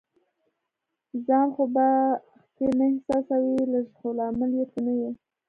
ځان خو به ښکیل نه احساسوې؟ لږ، خو لامل یې ته نه یې.